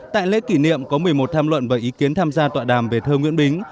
tại lễ kỷ niệm có một mươi một tham luận và ý kiến tham gia tọa đàm về thơ nguyễn bính